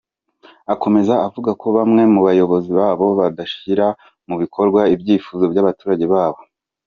Akomeza avuga ko bamwe mu bayobozi babo badashyira mu bikorwa ibyifuzo by’abaturage babo.